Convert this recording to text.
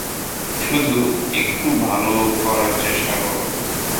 শুধু, একটু ভালো করার চেষ্টা করো।